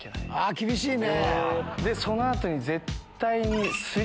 厳しいね。